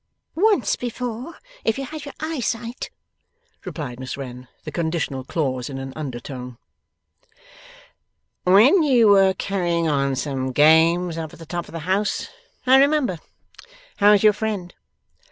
'Once before if you had your eyesight,' replied Miss Wren; the conditional clause in an under tone. 'When you were carrying on some games up at the top of the house. I remember. How's your friend?